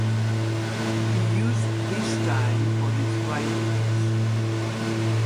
He used this time for his writings.